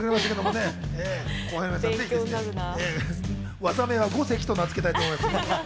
技名は五関と名付けたいと思います。